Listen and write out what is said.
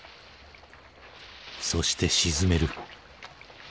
そして沈める。